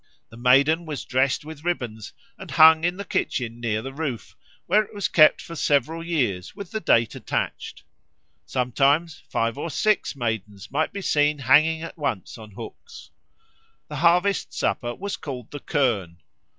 The Maiden was dressed with ribbons and hung in the kitchen near the roof, where it was kept for several years with the date attached. Sometimes five or six Maidens might be seen hanging at once on hooks. The harvest supper was called the Kirn.